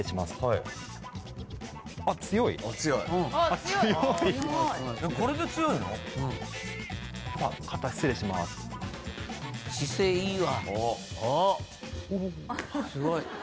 すごい。